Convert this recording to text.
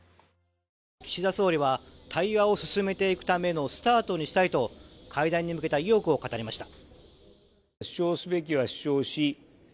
岸田総理は対話を進めていくためのスタートにしたいと会談に向けた意欲を語りました。